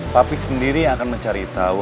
papi sendiri yang akan mencari tahu